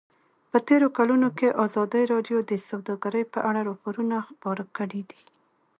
په تېرو کلونو کې ازادي راډیو د سوداګري په اړه راپورونه خپاره کړي دي.